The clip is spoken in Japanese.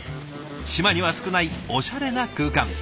島には少ないおしゃれな空間。